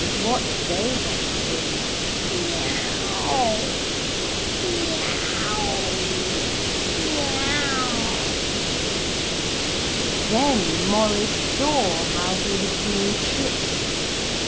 What they heard was, 'Meaow Meaow Meeeaow!' Then Maurice saw how he had been tricked.